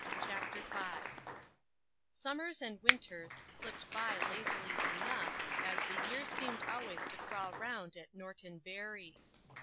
CHAPTER V Summers and winters slipped by lazily enough, as the years seemed always to crawl round at Norton Bury.